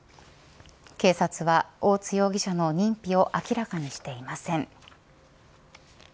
警察は大津容疑者の認否を明らかにしていません。